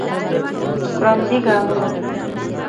ګړندي ګامونه